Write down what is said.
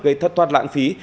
gây thất thoát lãng phí